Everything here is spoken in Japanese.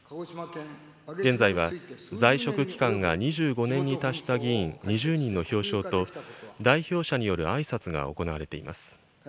現在は在職期間が２５年に達した議員２０人の表彰と、代表者によるあいさつが行われています。